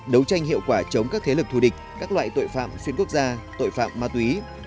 đấu tranh hiệu quả chống các thế lực thù địch các loại tội phạm xuyên quốc gia tội phạm ma túy